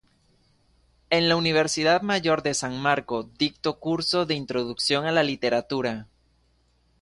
En la Universidad Mayor de San Marcos dictó cursos de Introducción a la Literatura.